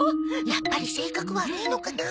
やっぱり性格悪いのかな？